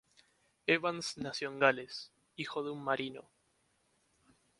Evans nació en Gales, hijo de un marino.